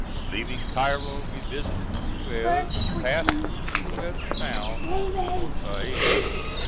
Leaving Cairo we visited Suez and passed through the Suez Canal to Port Said.